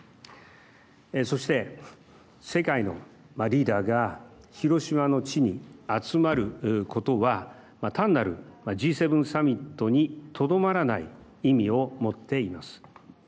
そして、世界のリーダーが広島の地に集まることは単なるＧ７サミットにとどまらない意味を持っています。